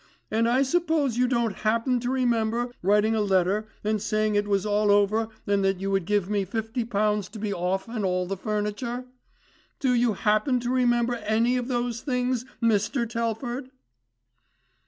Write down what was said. And I suppose you don't happen to remember writing a letter and saying that it was all over and that you would give me fifty pounds to be off and all the furniture. Do you happen to remember any of those things, Mister Telford?"